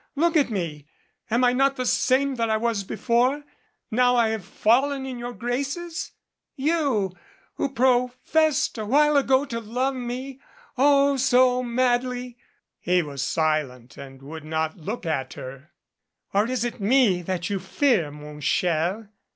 Look at me. Am I not the same that I was before? How have I fallen in your graces ? You, who professed a while ago to love me oh, so madly?" He was silent and would not look at her. "Or is it me that you fear, mon cher?"